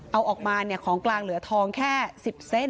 เอาออกมาของกลางเหลือทองแค่๑๐เส้น